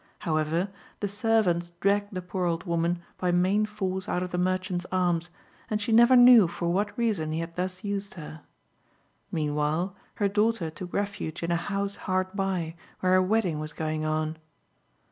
However, the servants dragged the poor old woman by main force out of the merchant's arms, and she never knew for what reason he had thus used her. Meanwhile, her daughter took refuge in a house hard by where a wedding was going on.